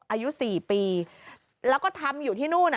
อายุ๔ปีแล้วก็ทำอยู่ที่นู่น